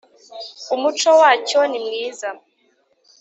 Umuco wacyo nimwiza.